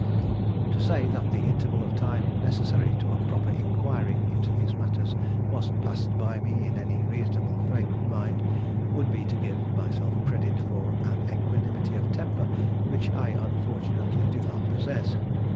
To say that the interval of time necessary to a proper inquiry into these matters was passed by me in any reasonable frame of mind, would be to give myself credit for an equanimity of temper which I unfortunately do not possess.